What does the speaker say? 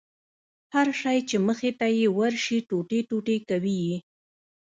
هر شى چې مخې ته يې ورسي ټوټې ټوټې کوي يې.